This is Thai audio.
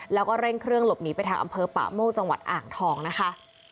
แล้วก็เร่งเครื่องหลบหนีไปทางอำเภอป่าโมกจังหวัดอ่างทองนะคะ